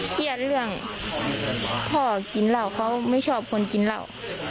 เครียดเรื่องพ่อกินเหล้าเขาไม่ชอบคนกินเหล้า